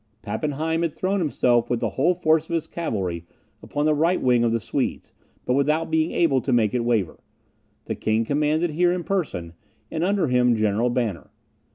Pappenheim had thrown himself with the whole force of his cavalry upon the right wing of the Swedes, but without being able to make it waver. The king commanded here in person, and under him General Banner.